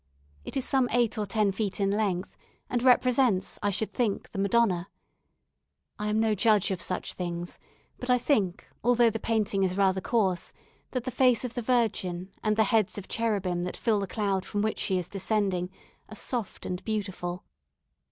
It is some eight or ten feet in length, and represents, I should think, the Madonna. I am no judge of such things, but I think, although the painting is rather coarse, that the face of the Virgin, and the heads of Cherubim that fill the cloud from which she is descending, are soft and beautiful.